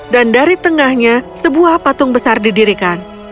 dan dari tengahnya sebuah patung besar didirikan